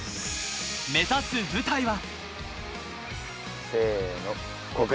目指す舞台は。